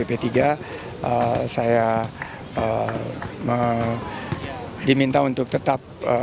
saya diminta untuk tetap